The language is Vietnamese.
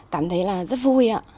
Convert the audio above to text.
cảm thấy là rất vui ạ